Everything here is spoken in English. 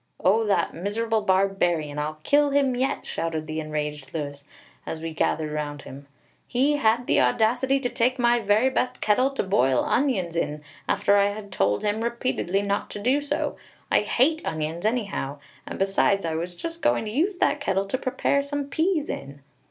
"O that miserable barbarian! I'll kill him yet!" shouted the enraged Louis, as we gathered round him. "He had the audacity to take my very best kettle to boil onions in, after I had told him repeatedly not to do so. I hate onions, anyhow; and besides, I was just going to use that kettle to prepare some peas in!"